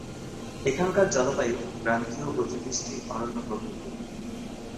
এখানকার জলবায়ু ক্রান্তীয় অতিবৃষ্টি অরণ্য প্রকৃতির।